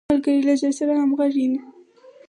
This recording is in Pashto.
ملګری له زړه سره همږغی وي